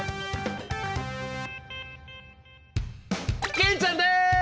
玄ちゃんです！